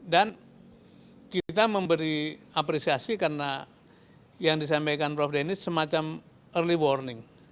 dan kita memberi apresiasi karena yang disampaikan prof dennis semacam early warning